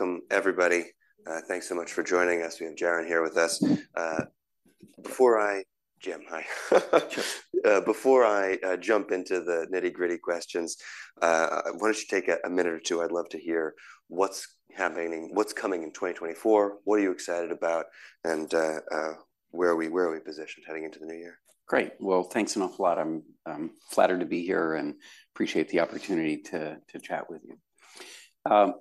Welcome, everybody. Thanks so much for joining us. We have Geron here with us. Jim, hi. Before I jump into the nitty-gritty questions, why don't you take a minute or two? I'd love to hear what's happening, what's coming in 2024, what are you excited about, and where are we positioned heading into the new year? Great! Well, thanks an awful lot. I'm flattered to be here and appreciate the opportunity to chat with you.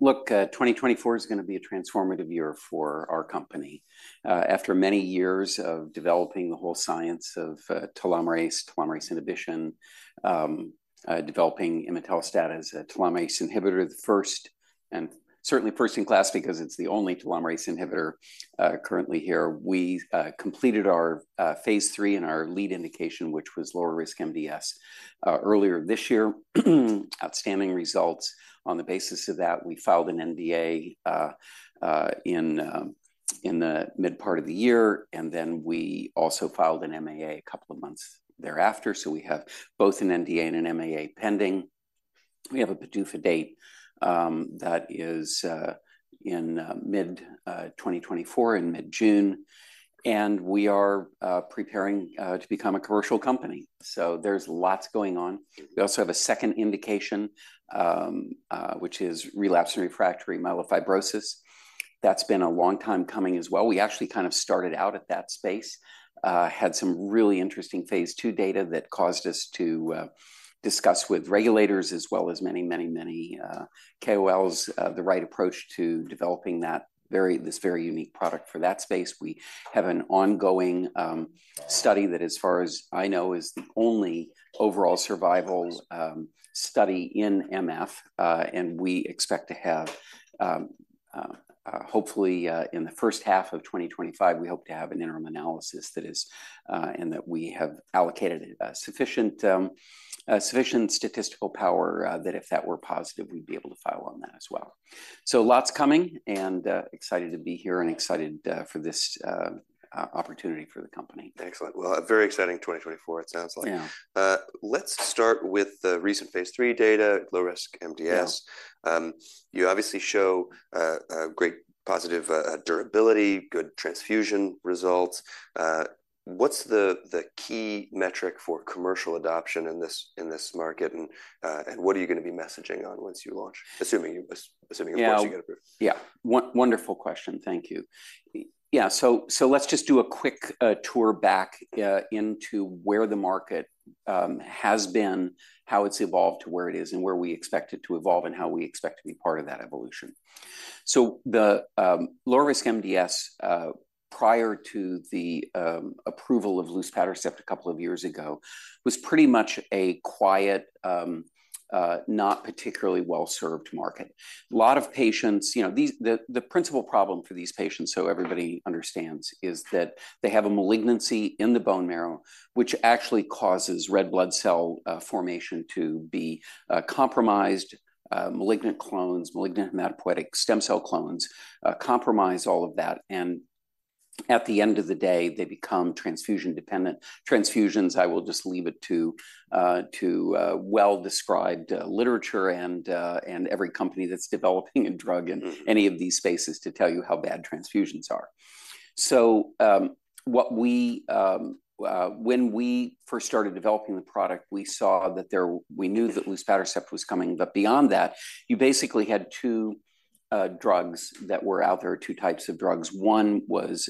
Look, 2024 is gonna be a transformative year for our company. After many years of developing the whole science of telomerase, telomerase inhibition, developing imetelstat as a telomerase inhibitor, the first and certainly first in class because it's the only telomerase inhibitor currently here. We completed our phase III and our lead indication, which was lower risk MDS, earlier this year. Outstanding results. On the basis of that, we filed an NDA in the mid part of the year, and then we also filed an MAA a couple of months thereafter. So we have both an NDA and an MAA pending. We have a PDUFA date, that is, in mid-2024, in mid-June, and we are preparing to become a commercial company. So there's lots going on. We also have a second indication, which is relapsed and refractory myelofibrosis. That's been a long time coming as well. We actually kind of started out at that space, had some really interesting phase II data that caused us to discuss with regulators, as well as many, many, many KOLs, the right approach to developing that very-- this very unique product for that space. We have an ongoing study that, as far as I know, is the only overall survival study in MF, and we expect to have, hopefully, in the first half of 2025, we hope to have an interim analysis that is, and that we have allocated sufficient sufficient statistical power, that if that were positive, we'd be able to file on that as well. So lots coming, and excited to be here and excited for this opportunity for the company. Excellent. Well, a very exciting 2024, it sounds like. Yeah. Let's start with the recent Phase 3 data, low-risk MDS. Yeah. You obviously show a great positive durability, good transfusion results. What's the key metric for commercial adoption in this market? And what are you gonna be messaging on once you launch? Assuming of course you get approved. Yeah. Yeah, wonderful question. Thank you. Yeah, so let's just do a quick tour back into where the market has been, how it's evolved to where it is, and where we expect it to evolve, and how we expect to be part of that evolution. So the low-risk MDS prior to the approval of luspatercept a couple of years ago was pretty much a quiet, not particularly well-served market. A lot of patients, you know, these. The principal problem for these patients, so everybody understands, is that they have a malignancy in the bone marrow, which actually causes red blood cell formation to be compromised. Malignant clones, malignant hematopoietic stem cell clones compromise all of that, and at the end of the day, they become transfusion-dependent. Transfusions, I will just leave it to well-described literature and every company that's developing a drug- Mm-hmm... in any of these spaces to tell you how bad transfusions are. So, what we, when we first started developing the product, we saw that there-- we knew that luspatercept was coming, but beyond that, you basically had two, drugs that were out there, two types of drugs. One was,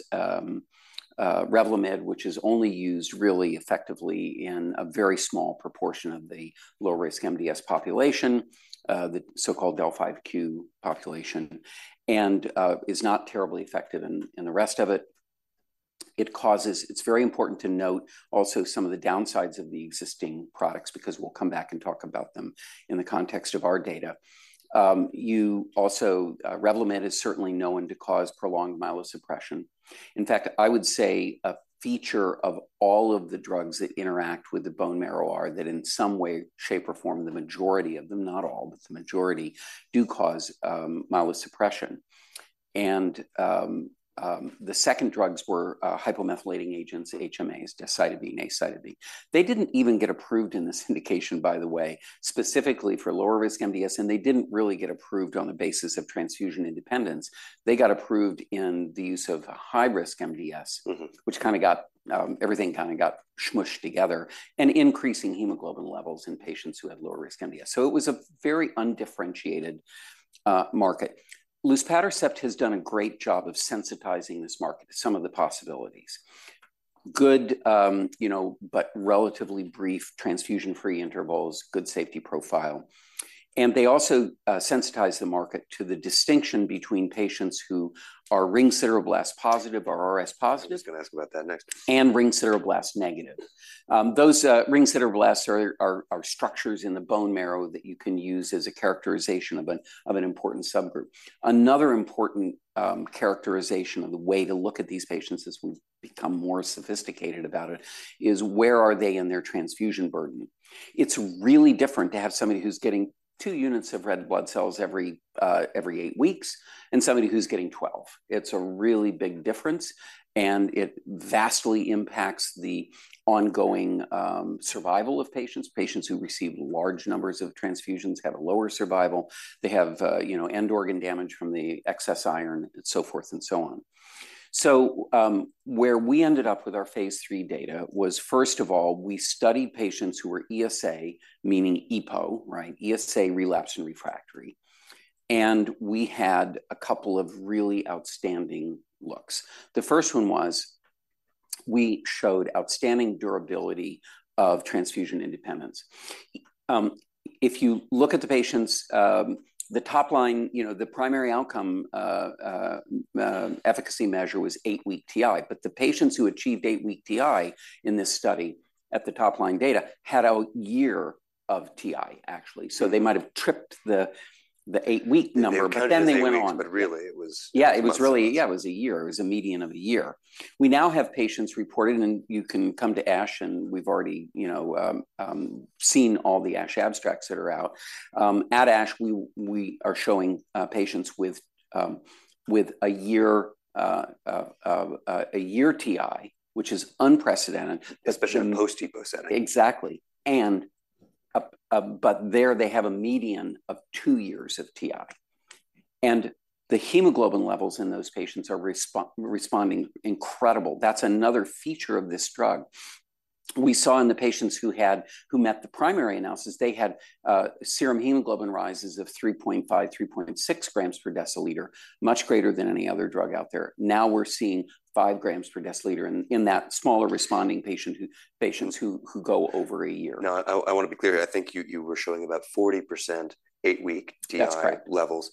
Revlimid, which is only used really effectively in a very small proportion of the low-risk MDS population, the so-called del(5q) population, and, is not terribly effective in, in the rest of it. It causes-- It's very important to note also some of the downsides of the existing products, because we'll come back and talk about them in the context of our data. You also, Revlimid is certainly known to cause prolonged myelosuppression. In fact, I would say a feature of all of the drugs that interact with the bone marrow are that in some way, shape, or form, the majority of them, not all, but the majority, do cause myelosuppression. And the second drugs were hypomethylating agents, HMAs, decitabine, azacitidine. They didn't even get approved in this indication, by the way, specifically for lower risk MDS, and they didn't really get approved on the basis of transfusion independence. They got approved in the use of high-risk MDS- Mm-hmm ...which kind of got, everything kind of got smushed together, and increasing hemoglobin levels in patients who had lower risk MDS. So it was a very undifferentiated, market. Luspatercept has done a great job of sensitizing this market to some of the possibilities. Good, you know, but relatively brief transfusion-free intervals, good safety profile. And they also, sensitized the market to the distinction between patients who are ring sideroblasts positive or RS positive- I was just gonna ask about that next.... and ring sideroblasts negative. Those ring sideroblasts are structures in the bone marrow that you can use as a characterization of an important subgroup. Another important characterization of the way to look at these patients as we've become more sophisticated about it is where are they in their transfusion burden? It's really different to have somebody who's getting two units of red blood cells every eight weeks and somebody who's getting twelve. It's a really big difference, and it vastly impacts the ongoing survival of patients. Patients who receive large numbers of transfusions have a lower survival. They have you know end organ damage from the excess iron, and so forth and so on. So where we ended up with our phase III data was, first of all, we studied patients who were ESA, meaning EPO, right? ESA, relapsed and refractory. And we had a couple of really outstanding looks. The first one we showed outstanding durability of transfusion independence. If you look at the patients, the top line, you know, the primary outcome, efficacy measure was eight-week TI, but the patients who achieved eight-week TI in this study at the top-line data had a year of TI, actually. So they might have tripped the, the eight-week number, but then they went on. But really it was- Yeah, it was a year. It was a median of a year. We now have patients reported, and you can come to ASH, and we've already, you know, seen all the ASH abstracts that are out. At ASH, we are showing patients with a year TI, which is unprecedented. Especially in post-EPO setting. Exactly. And, but there they have a median of two years of TI, and the hemoglobin levels in those patients are responding incredibly. That's another feature of this drug. We saw in the patients who met the primary analysis, they had serum hemoglobin rises of 3.5, 3.6 grams per deciliter, much greater than any other drug out there. Now, we're seeing 5 grams per deciliter in that smaller responding patients who go over a year. Now, I wanna be clear. I think you were showing about 40% eight-week TI- That's correct. -levels.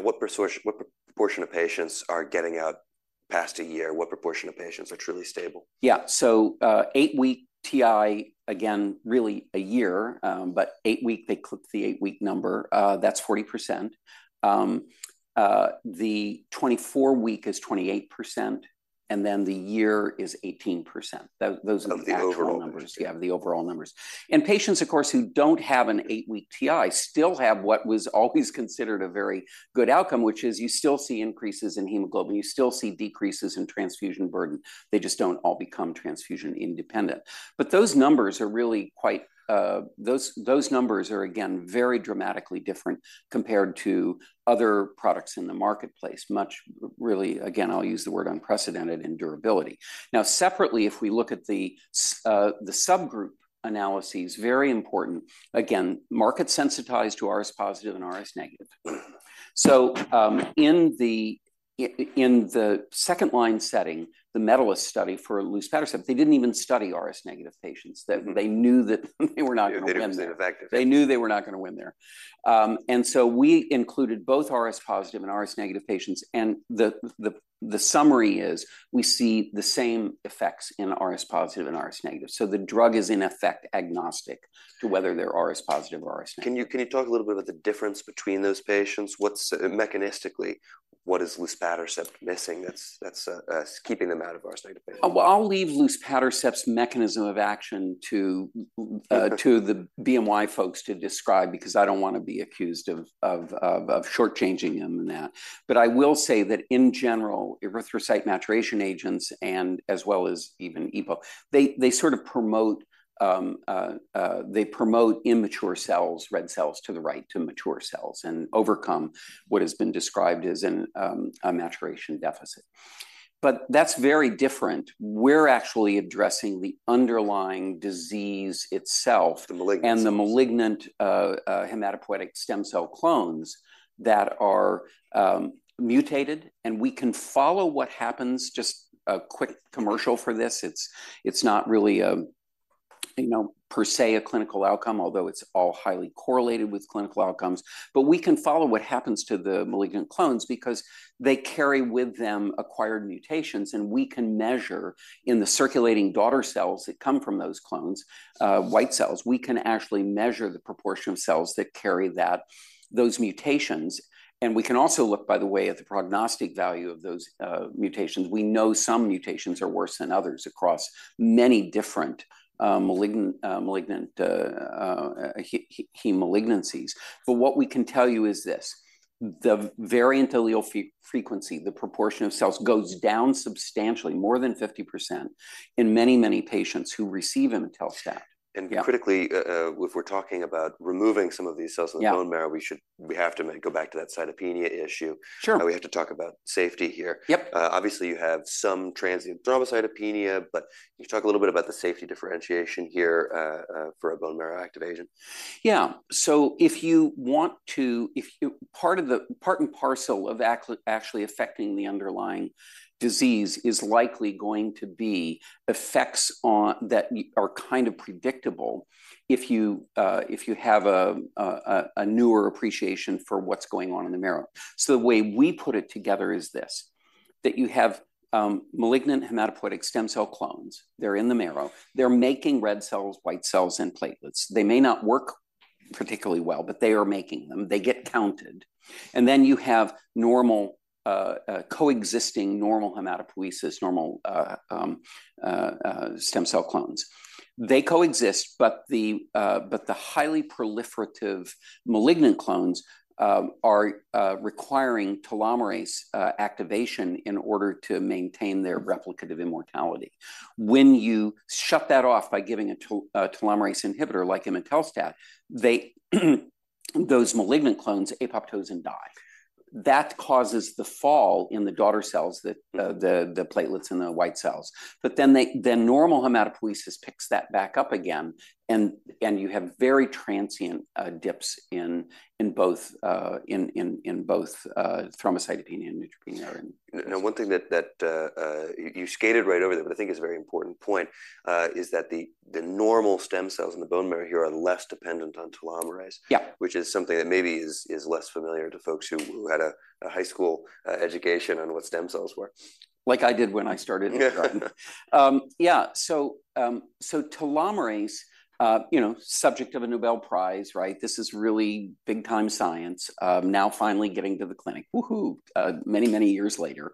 What proportion of patients are getting out past a year? What proportion of patients are truly stable? Yeah. So, eight-week TI, again, really a year, but eight-week, they clip the eight-week number, that's 40%. The 24-week is 28%, and then the year is 18%. Those, those are the actual numbers. Of the overall numbers. Yeah, of the overall numbers. And patients, of course, who don't have an eight-week TI still have what was always considered a very good outcome, which is you still see increases in hemoglobin, you still see decreases in transfusion burden. They just don't all become transfusion independent. But those numbers are really quite, those numbers are, again, very dramatically different compared to other products in the marketplace. Much, really, again, I'll use the word unprecedented in durability. Now, separately, if we look at the subgroup analyses, very important, again, market sensitized to RS positive and RS negative. So, in the second-line setting, the MEDALIST study for luspatercept, they didn't even study RS-negative patients. Mm-hmm. They knew that they were not gonna win there. They knew they were effective. They knew they were not gonna win there. And so we included both RS positive and RS negative patients, and the summary is we see the same effects in RS positive and RS negative. So the drug is, in effect, agnostic to whether they're RS positive or RS negative. Can you talk a little bit about the difference between those patients? Mechanistically, what is luspatercept missing that's keeping them out of RS negative patients? Well, I'll leave luspatercept's mechanism of action to the BMY folks to describe, because I don't wanna be accused of shortchanging them in that. But I will say that in general, erythrocyte maturation agents and as well as even EPO, they sort of promote immature cells, red cells to the right, to mature cells, and overcome what has been described as a maturation deficit. But that's very different. We're actually addressing the underlying disease itself- The malignancies. and the malignant hematopoietic stem cell clones that are mutated, and we can follow what happens. Just a quick commercial for this, it's not really a, you know, per se, a clinical outcome, although it's all highly correlated with clinical outcomes. But we can follow what happens to the malignant clones because they carry with them acquired mutations, and we can measure in the circulating daughter cells that come from those clones, white cells. We can actually measure the proportion of cells that carry that, those mutations, and we can also look, by the way, at the prognostic value of those mutations. We know some mutations are worse than others across many different malignant malignancies. But what we can tell you is this: the variant allele frequency, the proportion of cells, goes down substantially, more than 50%, in many, many patients who receive imetelstat. Yeah. Critically, if we're talking about removing some of these cells- Yeah. From the bone marrow, we have to go back to that cytopenia issue. Sure. Now, we have to talk about safety here. Yep. Obviously, you have some transient thrombocytopenia, but can you talk a little bit about the safety differentiation here, for a bone marrow activation? Yeah. So if you want to, if part of the, part and parcel of actually affecting the underlying disease is likely going to be effects on that are kind of predictable if you have a newer appreciation for what's going on in the marrow. So the way we put it together is this: that you have malignant hematopoietic stem cell clones. They're in the marrow. They're making red cells, white cells, and platelets. They may not work particularly well, but they are making them. They get counted. And then you have normal coexisting normal hematopoiesis normal stem cell clones. They coexist, but the highly proliferative malignant clones are requiring telomerase activation in order to maintain their replicative immortality. When you shut that off by giving a telomerase inhibitor, like imetelstat, those malignant clones apoptose and die. That causes the fall in the daughter cells, that the platelets and the white cells. But then the normal hematopoiesis picks that back up again, and you have very transient dips in both thrombocytopenia and neutropenia and- Now, one thing that you skated right over that, but I think is a very important point, is that the normal stem cells in the bone marrow here are less dependent on telomerase- Yeah. which is something that maybe is less familiar to folks who had a high school education on what stem cells were. Like I did when I started. Yeah. Yeah, so telomerase, you know, subject of a Nobel Prize, right? This is really big time science, now finally getting to the clinic. Woo-hoo! Many, many years later.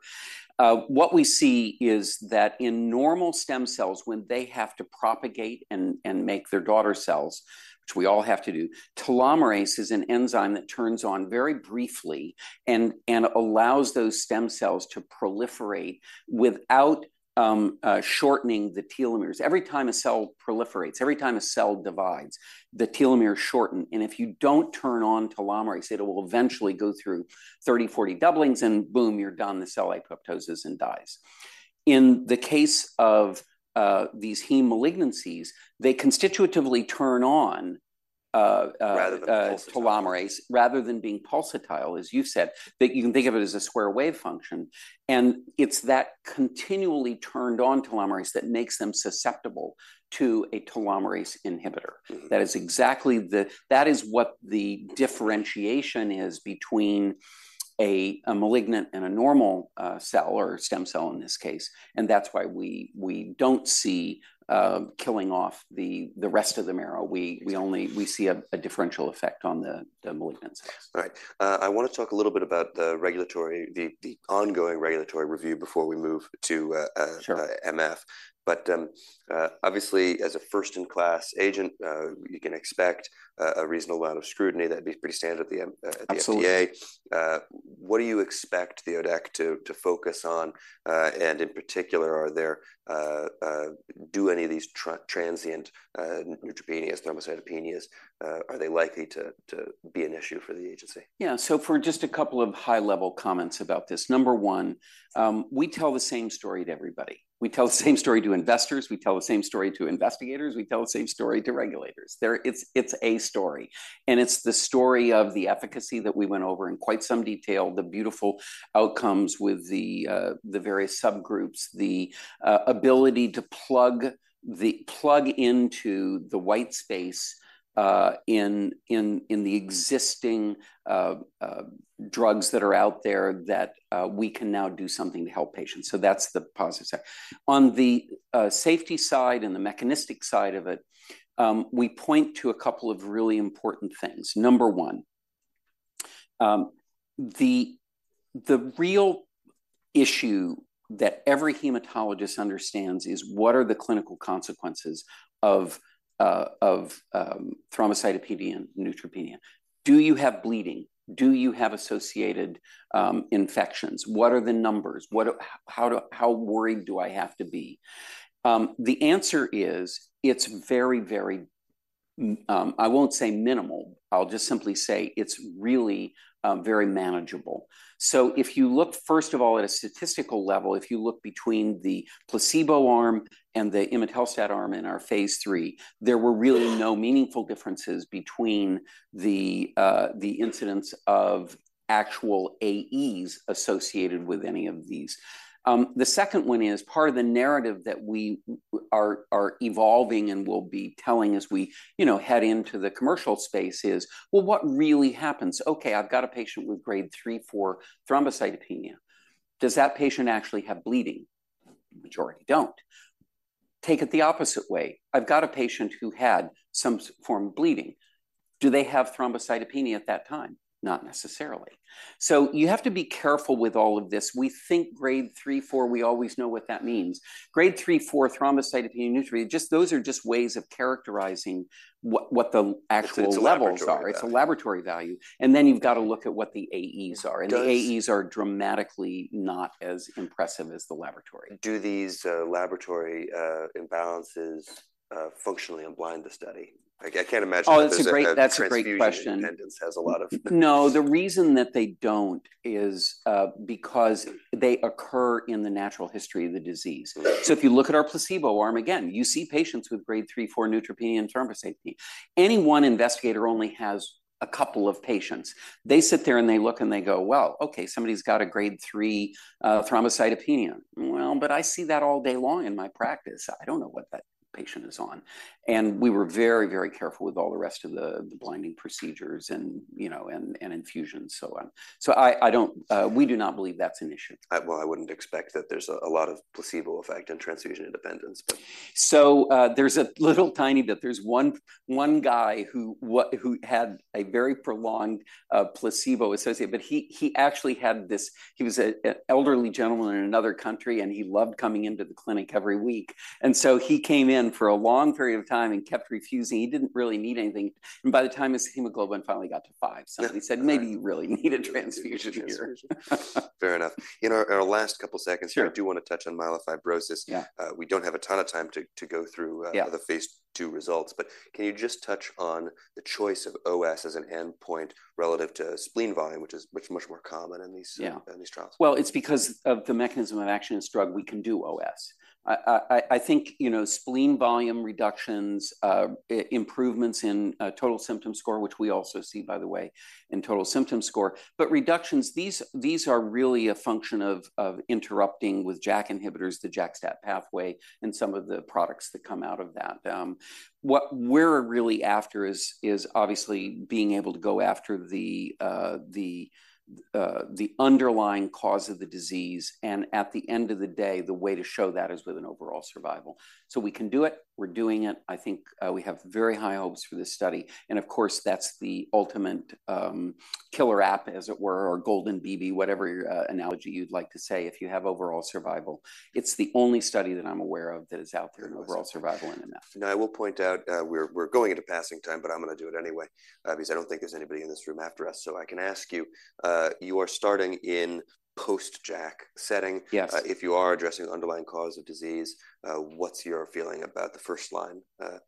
What we see is that in normal stem cells, when they have to propagate and make their daughter cells, which we all have to do, telomerase is an enzyme that turns on very briefly and allows those stem cells to proliferate without shortening the telomeres. Every time a cell proliferates, every time a cell divides, the telomeres shorten, and if you don't turn on telomerase, it will eventually go through 30, 40 doublings, and boom, you're done, the cell apoptoses and dies. In the case of these heme malignancies, they constitutively turn on, Rather than pulsatile. -telomerase, rather than being pulsatile, as you said. That you can think of it as a square wave function, and it's that continually turned on telomerase that makes them susceptible to a telomerase inhibitor. Mm-hmm. That is what the differentiation is between a malignant and a normal cell or stem cell in this case, and that's why we don't see killing off the rest of the marrow. We only see a differential effect on the malignant cells. All right. I wanna talk a little bit about the regulatory, the ongoing regulatory review before we move to, Sure ... MF. But, obviously, as a first-in-class agent, you can expect a reasonable amount of scrutiny. That'd be pretty standard at the M- Absolutely... at the FDA. What do you expect the ODAC to focus on? And in particular, do any of these transient neutropenias, thrombocytopenias, are they likely to be an issue for the agency? Yeah. So for just a couple of high-level comments about this. Number one, we tell the same story to everybody. We tell the same story to investors, we tell the same story to investigators, we tell the same story to regulators. It's, it's a story, and it's the story of the efficacy that we went over in quite some detail, the beautiful outcomes with the various subgroups, the ability to plug into the white space, in the existing drugs that are out there, that we can now do something to help patients. So that's the positive side. On the safety side and the mechanistic side of it, we point to a couple of really important things. Number 1, the real issue that every hematologist understands is what are the clinical consequences of thrombocytopenia and neutropenia? Do you have bleeding? Do you have associated infections? What are the numbers? How worried do I have to be? The answer is, it's very, very, I won't say minimal, I'll just simply say it's really, very manageable. So if you look, first of all, at a statistical level, if you look between the placebo arm and the imetelstat arm in our phase three, there were really no meaningful differences between the incidence of actual AEs associated with any of these. The second one is part of the narrative that we are evolving and will be telling, as we, you know, head into the commercial space, is: Well, what really happens? Okay, I've got a patient with grade three/four thrombocytopenia. Does that patient actually have bleeding? Majority don't. Take it the opposite way. I've got a patient who had some form of bleeding. Do they have thrombocytopenia at that time? Not necessarily. So you have to be careful with all of this. We think grade three/four, we always know what that means. Grade three/four thrombocytopenia, neutropenia, just those are just ways of characterizing what, what the actual levels are. It's a laboratory value. It's a laboratory value, and then you've got to look at what the AEs are- Does- and the AEs are dramatically not as impressive as the laboratory. Do these laboratory imbalances functionally unblind the study? Like, I can't imagine- Oh, that's a great, that's a great question.... transfusion independence has a lot of- No, the reason that they don't is because they occur in the natural history of the disease. So if you look at our placebo arm, again, you see patients with grade three/four neutropenia and thrombocytopenia. Any one investigator only has a couple of patients. They sit there and they look, and they go: "Well, okay, somebody's got a grade three thrombocytopenia. Well, but I see that all day long in my practice. I don't know what that patient is on." And we were very, very careful with all the rest of the blinding procedures and, you know, and infusions, so on. So I, I don't, we do not believe that's an issue. Well, I wouldn't expect that there's a lot of placebo effect in transfusion independence, but... So, there's a little tiny bit. There's one guy who had a very prolonged placebo-associated, but he actually had this... He was an elderly gentleman in another country, and he loved coming into the clinic every week. And so he came in for a long period of time and kept refusing. He didn't really need anything, and by the time his hemoglobin finally got to five, somebody said- Right... "Maybe you really need a transfusion here. Fair enough. In our last couple seconds- Sure. I do wanna touch on myelofibrosis. Yeah. We don't have a ton of time to go through. Yeah... the Phase 2 results, but can you just touch on the choice of OS as an endpoint relative to spleen volume, which is much, much more common in these? Yeah in these trials? Well, it's because of the mechanism of action, this drug, we can do OS. I think, you know, spleen volume reductions, improvements in total symptom score, which we also see, by the way, in total symptom score. But reductions, these are really a function of interrupting with JAK inhibitors, the JAK-STAT pathway, and some of the products that come out of that. What we're really after is obviously being able to go after the underlying cause of the disease, and at the end of the day, the way to show that is with an overall survival. So we can do it. We're doing it. I think, we have very high hopes for this study, and of course, that's the ultimate, killer app, as it were, or golden BB, whatever, analogy you'd like to say, if you have overall survival. It's the only study that I'm aware of that is out there in overall survival in MF. Now, I will point out, we're going into passing time, but I'm gonna do it anyway, because I don't think there's anybody in this room after us. So I can ask you, you are starting in post-JAK setting. Yes. If you are addressing the underlying cause of disease, what's your feeling about the first line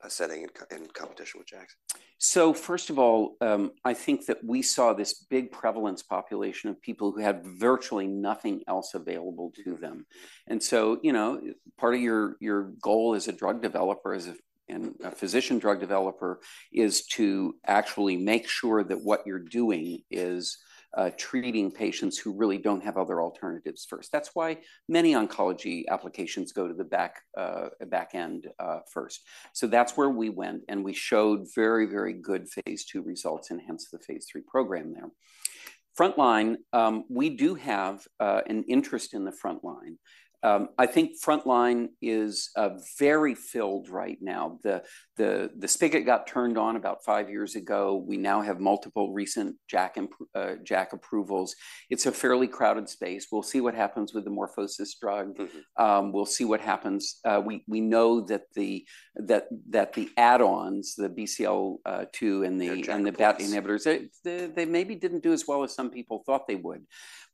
setting in competition with JAKs? So, first of all, I think that we saw this big prevalence population of people who had virtually nothing else available to them. And so, you know, part of your goal as a drug developer and a physician drug developer is to actually make sure that what you're doing is treating patients who really don't have other alternatives first. That's why many oncology applications go to the back end first. So that's where we went, and we showed very, very good Phase II results, and hence the Phase III program there. Frontline, we do have an interest in the frontline. I think frontline is very filled right now. The spigot got turned on about five years ago. We now have multiple recent JAK approvals. It's a fairly crowded space. We'll see what happens with the MorphoSys drug. Mm-hmm. We'll see what happens. We know that the add-ons, the BCL-2, and the- JAK inhibitors. - inhibitors, they maybe didn't do as well as some people thought they would.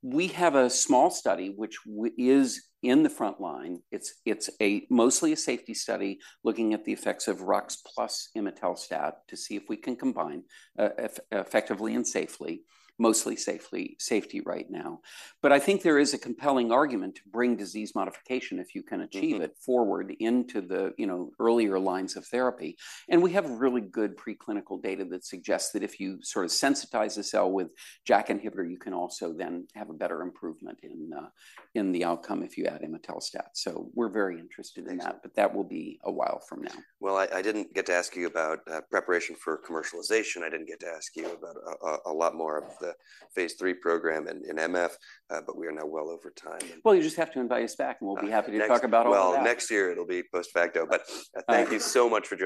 We have a small study, which is in the frontline. It's a mostly a safety study, looking at the effects of Rux plus imetelstat to see if we can combine effectively and safely, mostly safely, safety right now. But I think there is a compelling argument to bring disease modification, if you can achieve it- Mm-hmm... forward into the, you know, earlier lines of therapy. And we have really good preclinical data that suggests that if you sort of sensitize the cell with JAK inhibitor, you can also then have a better improvement in, in the outcome if you add imetelstat. So we're very interested in that. Excellent. But that will be a while from now. Well, I didn't get to ask you about preparation for commercialization. I didn't get to ask you about a lot more of the phase III program in MF, but we are now well over time, and- Well, you just have to invite us back, and we'll be happy to talk about all that. Well, next year it'll be post facto. But, thank you so much for coming.